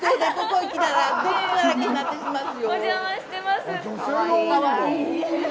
お邪魔してます。